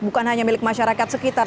bukan hanya milik masyarakat sekitar